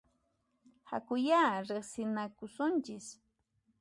Hakuyá riqsinakusunchis!